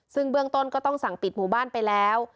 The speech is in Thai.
ซึ่งเบื้องต้นก็ต้องสั่งปิดหมู่บ้านไปแล้ว